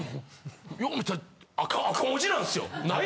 よう見たら赤文字なんですよ。